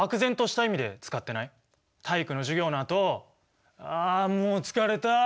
体育の授業のあと「あもう疲れた。